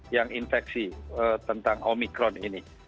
yang infeksi tentang omikron ini